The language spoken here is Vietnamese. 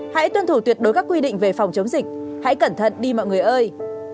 hãy tuân thủ tuyệt đối các quy định về phòng chống dịch hãy cẩn thận đi mọi người ơi